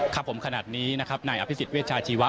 ครับผมขนาดนี้นะครับนายอภิษฎเวชาชีวะ